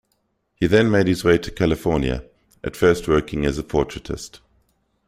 He then made his way to California, at first working as a portraitist.